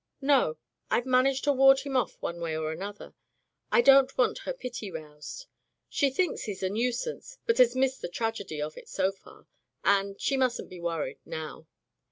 "No; Fve managed to ward him off one way or another. I don't want her pity roused. She thinks he's a nuisance, but has missed the tragedy of it so far — and — she mustn't be worried — now."